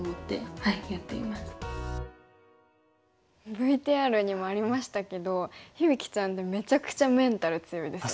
ＶＴＲにもありましたけど響ちゃんってめちゃくちゃメンタル強いですよね。